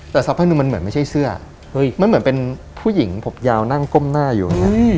แต่สักพักหนึ่งมันเหมือนไม่ใช่เสื้อมันเหมือนเป็นผู้หญิงผมยาวนั่งก้มหน้าอยู่อย่างนี้